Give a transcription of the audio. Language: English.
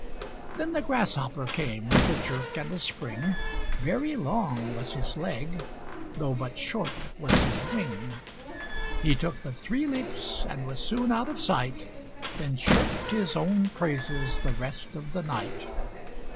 Then the Grasshopper came, with a jerk and a spring, Very long was his leg, though but short was his Wing; He took but three leaps, and was soon out of sight, Then chirp'd his own praises the rest of the night.